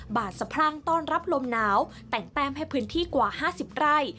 บาดสะพรั่งต้อนรับลมหนาวแต่งแต้มให้พื้นที่กว่า๕๐ไร่